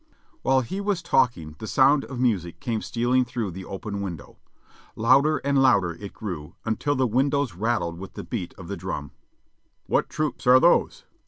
While he was talking the sound of music came stealing through the open window ; louder and louder it grew, until the windows rattled with the beat of the drum. "What troops are those?"